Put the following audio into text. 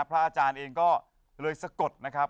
พระอาจารย์เองก็เลยสะกดนะครับ